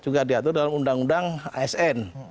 juga diatur dalam undang undang asn